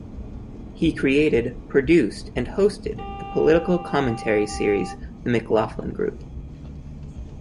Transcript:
He created, produced, and hosted the political commentary series The McLaughlin Group.